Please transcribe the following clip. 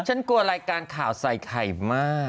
ฉันกลัวรายการข่าวใส่ไข่มาก